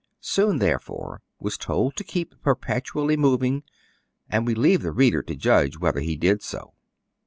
Soun, therefore, was told to keep perpetually moving ; and we leave the reader to judge whether he did so.